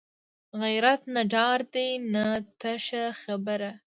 غیرت نه ډار دی نه تشه خبرې